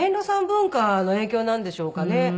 文化の影響なんでしょうかね。